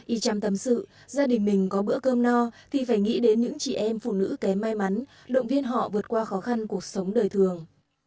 y trăm tâm sự gia đình mình có bữa cơm no thì phải nghĩ đến những chị em phụ nữ kém may mắn động viên họ vượt qua khó khăn cuộc sống đời thường